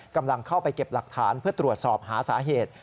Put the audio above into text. กำลังเข้าไปเก็บหลักฐานเพื่อตรวจสอบหาสาเหตุ